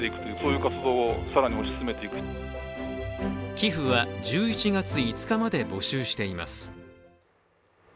寄付は１１月５日まで募集しています。